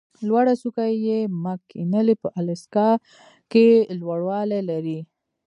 لوړه څوکه یې مک کینلي په الاسکا کې لوړوالی لري.